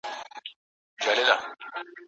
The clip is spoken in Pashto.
كوم ولات كي يې درمل ورته ليكلي